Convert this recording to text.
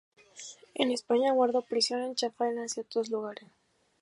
En España guardó prisión en Chafarinas y otros lugares.